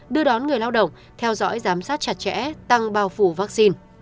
đưa đón người lao động theo dõi giám sát chặt chẽ tăng bao phủ vaccine